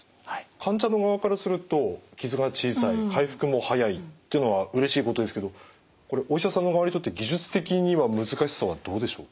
患者の側からすると傷が小さい回復も早いっていうのはうれしいことですけどこれお医者さん側にとって技術的には難しさはどうでしょう？